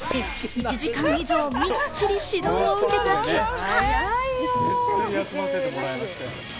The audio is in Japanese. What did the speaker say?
１時間以上、みっちり指導を受けた結果。